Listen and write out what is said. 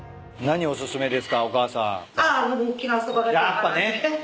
やっぱね。